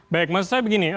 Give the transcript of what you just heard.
baik maksud saya begini